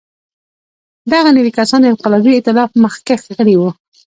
دغه نوي کسان د انقلابي اېتلاف مخکښ غړي وو.